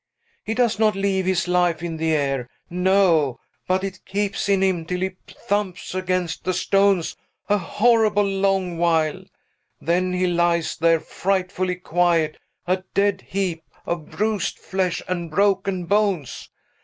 He does not leave his life in the air! No; but it keeps in him till he thumps against the stones, a horribly long while; then he lies there frightfully quiet, a dead heap of bruised flesh and broken bones!